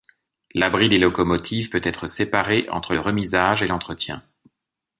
L'abri des locomotives peut être séparé entre le remisage et l’entretien.